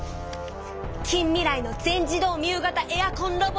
「近未来の全自動ミウ型エアコンロボット」。